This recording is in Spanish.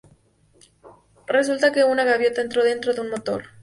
Resulta que una gaviota entró dentro de un motor.